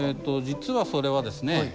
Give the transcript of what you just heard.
実はそれはですね